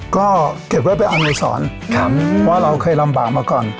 ก็เก็บไว้เป็นอเมษรเพราะเราเคยลำบากมาก่อน